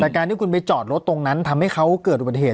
แต่การที่คุณไปจอดรถตรงนั้นทำให้เขาเกิดอุบัติเหตุ